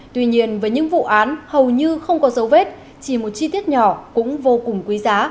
tuy nhiên với những vụ án hầu như không có dấu vết chỉ một chi tiết nhỏ cũng vô cùng quý giá